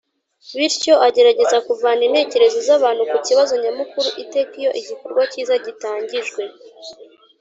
bityo agerageza kuvana intekerezo z’abantu ku kibazo nyamukuru iteka iyo igikorwa cyiza gitangijwe